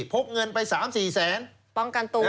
พกเงินไป๓๔แสนป้องกันตัว